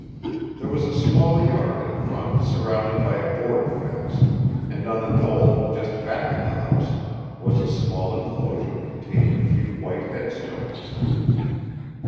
There was a small yard in front surrounded by a board fence, and on a knoll just back of the house was a small enclosure containing a few white headstones.